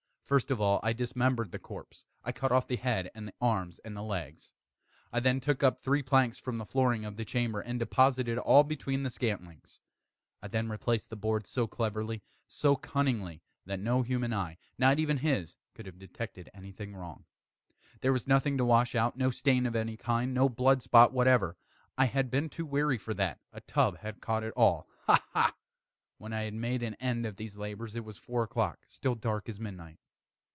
First of all I dismembered the corpse. I cut off the head and the arms and the legs. I then took up three planks from the flooring of the chamber, and deposited all between the scantlings. I then replaced the boards so cleverly, so cunningly, that no human eye not even his could have detected any thing wrong. There was nothing to wash out no stain of any kind no blood spot whatever. I had been too wary for that. A tub had caught all ha! ha! When I had made an end of these labors, it was four o'clock still dark as midnight.